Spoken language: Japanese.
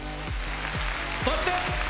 そして。